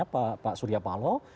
pak surya paloh